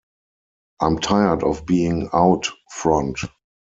I'm tired of being out front.